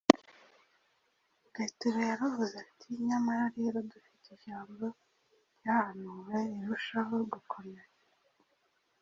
Petero yaravuze ati: «Nyamara rero dufite ijambo ryahanuwe, rirushaho gukomera,